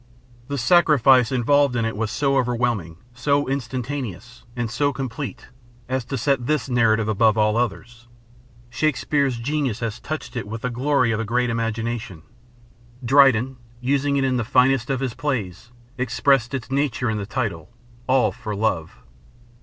The sacrifice involved in it was so overwhelming, so instantaneous, and so complete as to set this narrative above all others. Shakespeare's genius has touched it with the glory of a great imagination. Dryden, using it in the finest of his plays, expressed its nature in the title "All for Love."